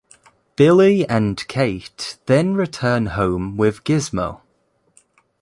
Billy and Kate then return home with Gizmo.